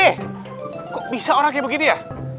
kok bisa orangnya begini ya